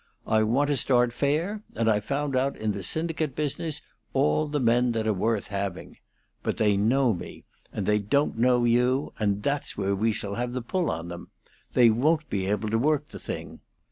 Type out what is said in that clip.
I want to start fair, and I've found out in the syndicate business all the men that are worth having. But they know me, and they don't know you, and that's where we shall have the pull on them. They won't be able to work the thing.